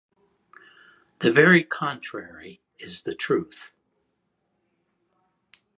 The very contrary is the truth.